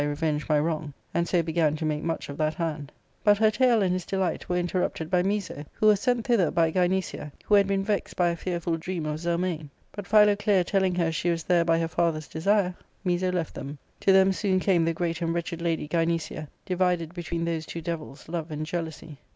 revenge my wrong," and so began to make much of that hand, i But her tale and his delight were interrupted by Miso, who was sent thither by Gynecia, who had been vexed by a fearful dream of Zelmane. But Philoclea telling her she was there by her lather's desire, Miso left them. To them soon c^me the great and wretched lady Gjmecia, divided between those two devils Love and J ealousy.